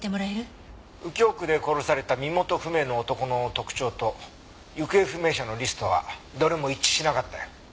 「右京区で殺された身元不明の男の特徴と行方不明者のリストはどれも一致しなかったよ」